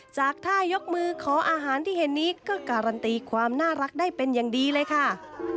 จากท่ายกมือขออาหารที่เห็นนี้ก็การันตีความน่ารักได้เป็นอย่างดีเลยค่ะ